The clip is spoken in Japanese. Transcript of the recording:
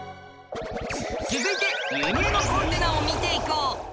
続いて輸入のコンテナを見ていこう。